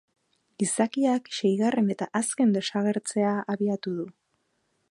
Gizakiak seigarren eta azken desagertzea abiatu du.